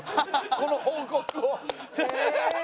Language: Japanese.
この報告を。